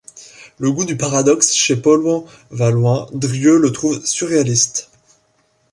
Le goût du paradoxe chez Paulhan va loin, Drieu le trouve surréaliste.